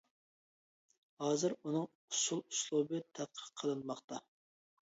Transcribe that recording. ھازىر ئۇنىڭ ئۇسسۇل ئۇسلۇبى تەتقىق قىلىنماقتا.